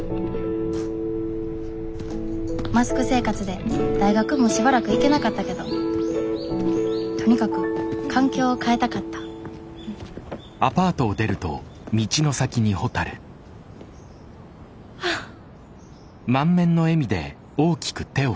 マスク生活で大学もしばらく行けなかったけどとにかく環境を変えたかったあっ！